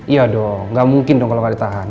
iya dong gak mungkin dong kalau gak ditahan